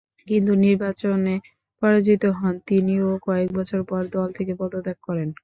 কিন্তু, নির্বাচনে পরাজিত হন তিনি ও কয়েকবছর পর দল থেকে পদত্যাগ করেন।